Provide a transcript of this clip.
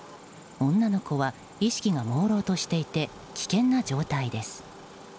女の子は意識がもうろうとしていて危険な状態です。